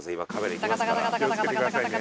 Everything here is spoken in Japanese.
タカタカタカタカタカタカ。